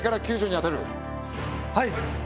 はい！